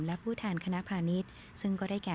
และผู้แทนคณะพาณิชย์ซึ่งก็ได้แก่